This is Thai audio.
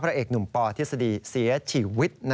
พระเอกหนุ่มปทศเสียชีวิต